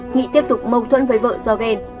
nghị tiếp tục mâu thuẫn với vợ do ghen